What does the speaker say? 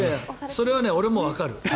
それは俺もわかる。